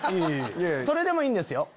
それでもいいんですよ